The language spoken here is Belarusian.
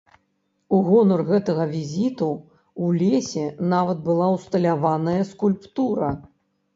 У гонар гэтага візіту ў лесе нават была ўсталяваная скульптура.